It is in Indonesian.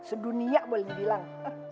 sedunia boleh dibilang